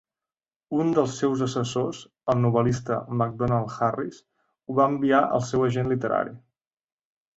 Un dels seus assessors, el novel·lista MacDonald Harris, ho va enviar al seu agent literari.